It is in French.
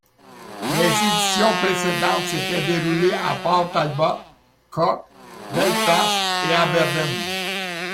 Les éditions précédentes s'étaient déroulées à Port Talbot, Cork, Belfast et Aberdeen.